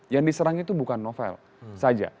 yang diserang itu bukan novel saja